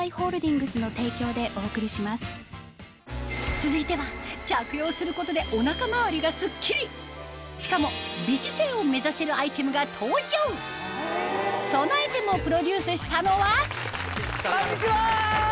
続いては着用することでお腹周りがスッキリしかも美姿勢を目指せるアイテムが登場そのアイテムをプロデュースしたのはこんにちは！